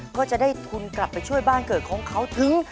ก็จะได้ทุนกลับไปช่วยบ้านเกิดของเขาถึง